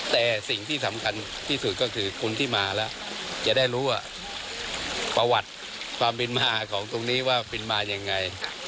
แต่สิ่งที่สำคัญที่สุดก็คือคนที่มาแล้วจะได้รู้ว่าประวัติความเป็นมาของตรงนี้ว่าเป็นมายังไง